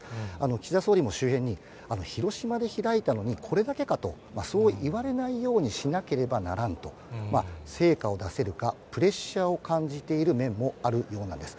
岸田総理も周辺に、広島で開いたのに、これだけかと、そう言われないようにしなければならんと、成果を出せるか、プレッシャーを感じている面もあるようなんです。